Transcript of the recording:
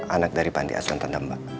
anak dari panti aswantan mbak